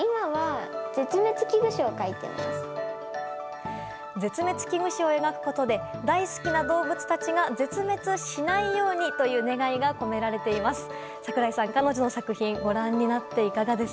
絶滅危惧種を描くことで大好きな動物たちが絶滅しないようにという願いが込められています。